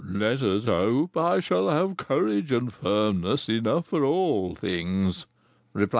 "Let us hope I shall have courage and firmness enough for all things," replied M.